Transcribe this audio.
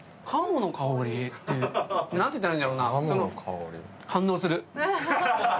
鴨の香りって何て言ったらいいんだろうな？